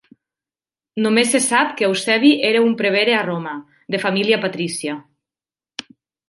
Només se sap que Eusebi era un prevere a Roma, de família patrícia.